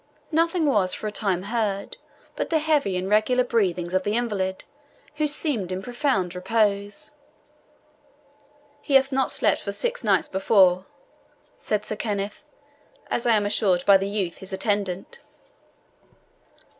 Nothing was for a time heard but the heavy and regular breathings of the invalid, who seemed in profound repose. "He hath not slept for six nights before," said Sir Kenneth, "as I am assured by the youth, his attendant."